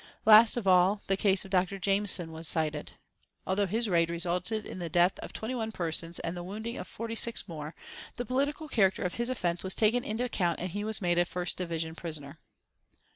Last of all the case of Dr. Jameson was cited. Although his raid resulted in the death of twenty one persons and the wounding of forty six more, the political character of his offence was taken into account and he was made a first division prisoner.